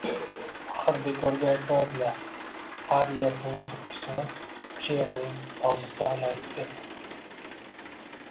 Axir, bekorga aytmaydilar, har yerning tulkisini o‘sha yerning tozisi ovlaydi, deb